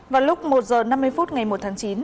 vào lúc một h năm mươi phút ngày một tháng chín